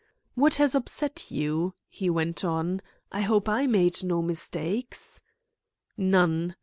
"What has upset you?" he went on. "I hope I made no mistakes." "None.